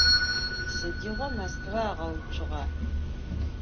Sıdiğo Moskva ağeutsuğa?